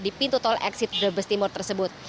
di pintu tol exit brebes timur tersebut